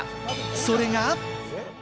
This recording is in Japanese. それが。